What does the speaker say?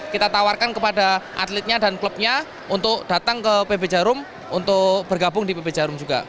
kita tawarkan kepada atletnya dan klubnya untuk datang ke pb jarum untuk bergabung di pb jarum juga